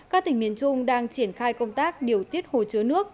các tỉnh miền trung đang triển khai công tác điều tiết hồ chứa nước